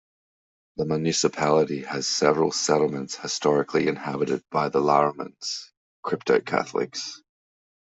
The municipality has several settlements historically inhabited by the Laramans, crypto-Catholics.